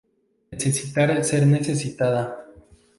Necesitar ser necesitada.